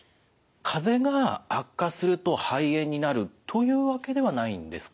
かぜが悪化すると肺炎になるというわけではないんですか？